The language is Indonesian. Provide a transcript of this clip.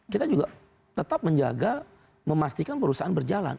kita juga tetap menjaga memastikan perusahaan berjalan